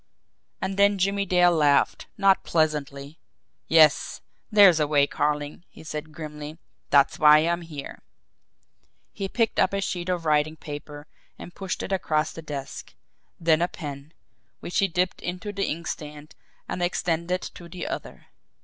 And then Jimmie Dale laughed not pleasantly. "Yes, there's a way, Carling," he said grimly. "That's why I'm here." He picked up a sheet of writing paper and pushed it across the desk then a pen, which he dipped into the inkstand, and extended to the other.